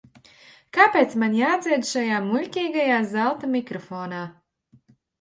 Kāpēc man jādzied šajā muļķīgajā zelta mikrofonā?